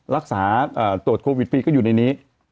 รักษาตรวจโควิดฟรีก็อยู่ในนี้